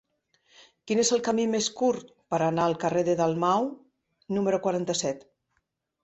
Quin és el camí més curt per anar al carrer de Dalmau número quaranta-set?